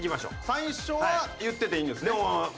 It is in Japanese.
最初は言ってていいんですね。